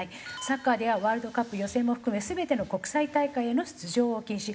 サッカーではワールドカップ予選も含め全ての国際大会への出場を禁止。